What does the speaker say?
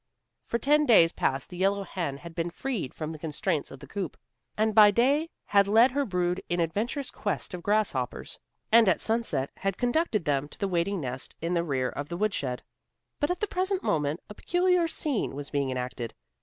For ten days past the yellow hen had been freed from the restraints of the coop, and by day had led her brood in adventurous quest of grasshoppers, and at sunset had conducted them to the waiting nest in the rear of the woodshed. But at the present moment, a peculiar scene was being enacted.